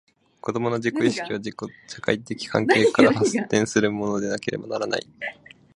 子供の自己意識は、社会的関係から発展するものでなければならない。